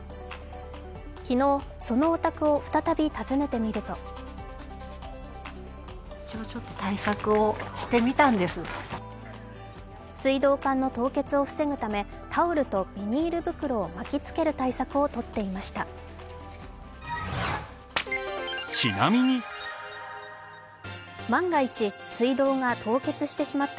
昨日、そのお宅を再び訪ねてみると水道管の凍結を防ぐためタオルとビニール袋を巻きつける対策をとっていました。